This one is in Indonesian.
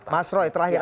mas roy terakhir